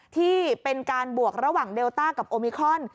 ที่เป็นการบวกระหว่างเดลต้ากับโอมิคอน